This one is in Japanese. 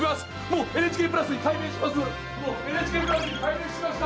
もうＮＨＫプラスに改名しました！